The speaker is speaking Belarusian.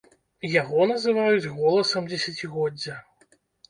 Яго называюць голасам дзесяцігоддзя.